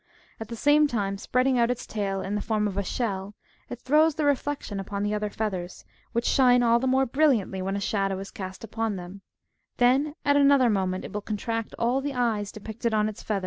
At the same time, spreading out its tail in the form of a sheU, it throws the reflection upon the other feathers, which shine all the more brilliantly when a shadow is cast upon them ; then at another moment it will contract all the eyes''^ depicted upon its feathers in a single 69 Valerius Maxinius, B.